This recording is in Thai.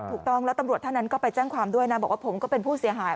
ถูกต้องแล้วตำรวจท่านนั้นก็ไปแจ้งความด้วยนะบอกว่าผมก็เป็นผู้เสียหาย